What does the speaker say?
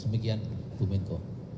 demikian bu menko